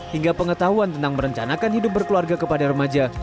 dan pengetahuan tentang merencanakan hidup berkeluarga kepada remaja